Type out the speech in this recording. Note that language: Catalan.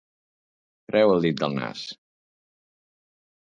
Treu el dit del nas